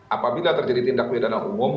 apabila terjadi tindak pidana umum